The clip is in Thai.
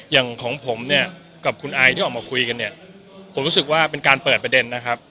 อย่างของผมเนี่ยกับคุณไอที่ออกมาคุยกันเนี่ยผมรู้สึกว่าเป็นการเปิดประเด็นนะครับ